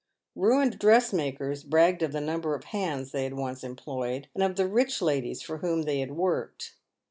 Ruined dressmakers bragged of the number of hands they had once employed, and of the rich ladies for whom they had worked.